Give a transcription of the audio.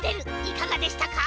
いかがでしたか？